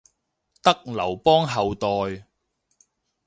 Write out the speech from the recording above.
得劉邦後代